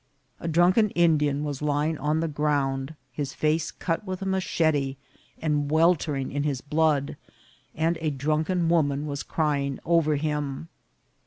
A drunken Indian was lying on the ground, his face cut with a machete, and weltering in his blood ; and a drunken woman was crying over him.